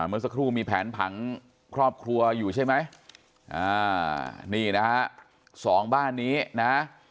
เมื่อสักครู่มีแผนผังครอบครัวอยู่ใช่ไหมนี่นะฮะสองบ้านนี้นะ